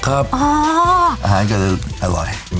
อาหารก็จะอร่อย